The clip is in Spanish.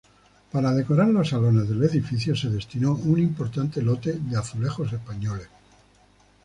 Para decorar los salones del edificio se destinó un importante lote de azulejos españoles.